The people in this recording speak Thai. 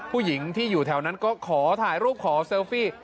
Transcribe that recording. ผู้หญิงที่อยู่แถวนั้นก็ขอถ่ายรูปขอเซลฟี่